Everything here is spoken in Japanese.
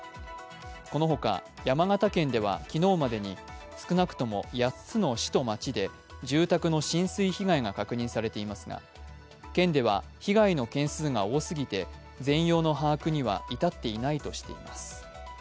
このほか、山形県では昨日までに少なくとも８つの市と町で住宅の浸水被害が確認されていますが県では被害の件数が多すぎて全容の把握には至っていないとしています。